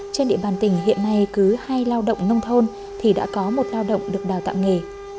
trên địa bàn tỉnh hiện nay cứ hai lao động nông thôn thì đã có một lao động được đào tạo nghề